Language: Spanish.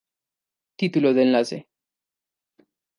Título del enlace